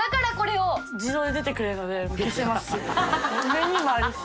上にもあるし。